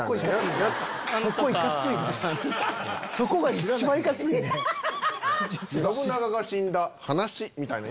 信長が死んだ話みたいなの。